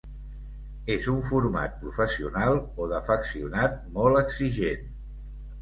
És un format professional o d'afeccionat molt exigent.